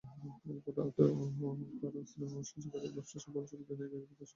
এরপর আত্ম অহংকার, স্নেহসহ একাধিক ব্যবসাসফল ছবিতে নায়িকা হিসেবে দর্শকেরা পেয়েছেন তাঁকে।